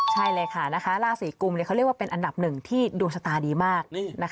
ใช่เลยค่ะราศีกุมเขาเรียกว่าเป็นอันดับหนึ่งที่ดวงชะตาดีมาก